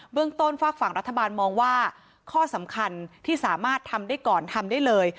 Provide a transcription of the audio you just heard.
เรื่องต้นฝากฝั่งรัฐบาลมองว่าข้อสำคัญที่สามารถทำได้ก่อนทำได้เลย